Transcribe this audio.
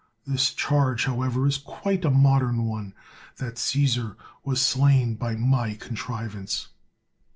This charge, however, is quite a modern one : that Caesar was slain by my contrivance.